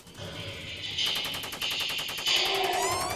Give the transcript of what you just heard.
Tenía su asiento principal donde se ubica la actual ciudad de Higüey.